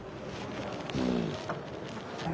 うん。